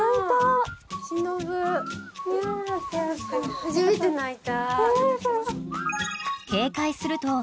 初めて鳴いた。